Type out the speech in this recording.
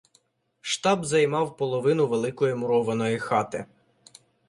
Штаб займав половину великої мурованої хати.